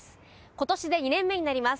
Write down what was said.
今年で２年目になります。